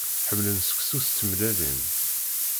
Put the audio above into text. Ḥemmlen seksu s tmellalin.